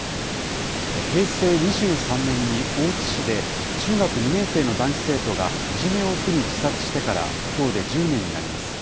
平成２３年に大津市で中学２年生の男子生徒がいじめを苦に自殺してからきょうで１０年になります。